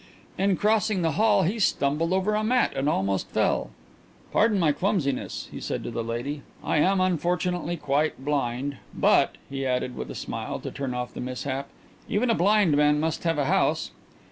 In crossing the hall he stumbled over a mat and almost fell. "Pardon my clumsiness," he said to the lady. "I am, unfortunately, quite blind. But," he added, with a smile, to turn off the mishap, "even a blind man must have a house."